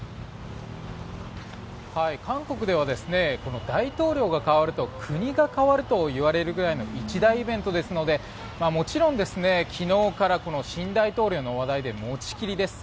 韓国では大統領が代わると国が変わるといわれるくらいの一大イベントですのでもちろん昨日から新大統領の話題でもちきりです。